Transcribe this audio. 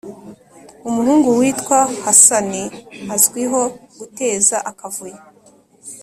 Umuhungu witwa hassani azwiho guteza akavuyo